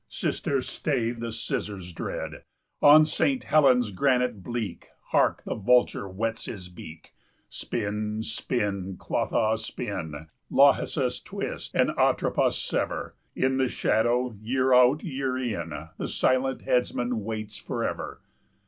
Sister, stay the scissors dread! 30 On Saint Helen's granite bleak, Hark, the vulture whets his beak!" Spin, spin, Clotho, spin! Lachesis, twist! and, Atropos, sever! In the shadow, year out, year in, 35 The silent headsman waits forever.